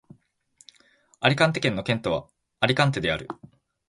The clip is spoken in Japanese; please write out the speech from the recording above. アリカンテ県の県都はアリカンテである